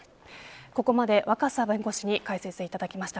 ここまで若狭弁護士に解説いただきました。